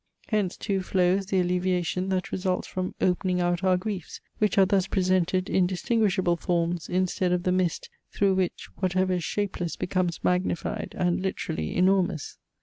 Hence too flows the alleviation that results from "opening out our griefs:" which are thus presented in distinguishable forms instead of the mist, through which whatever is shapeless becomes magnified and (literally) enormous.